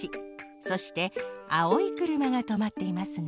そしてあおいくるまがとまっていますね。